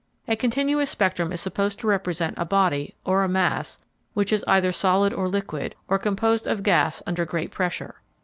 A continuous spectrum is supposed to represent a body, or a mass, which is either solid or liquid, or composed of gas under great pressure.